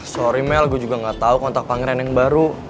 sorry mell gue juga gak tahu kontak pangeran yang baru